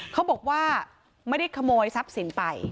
เขาบอกว่าไม่ได้ขโมยทรัพย์สินไป